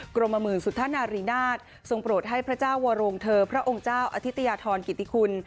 กรมหมื่นสุธนารีนาศทรงโปรดให้พระเจ้าวรวงเธอพระองค์เจ้าอธิตยาธรกิติคุณ